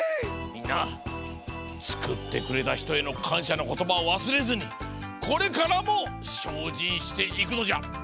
みんなつくってくれたひとへのかんしゃのことばをわすれずにこれからもしょうじんしていくのじゃ。